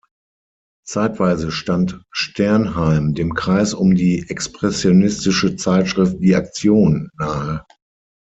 Zeitweise stand Sternheim dem Kreis um die expressionistische Zeitschrift "Die Aktion" nahe.